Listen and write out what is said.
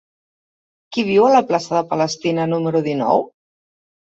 Qui viu a la plaça de Palestina número dinou?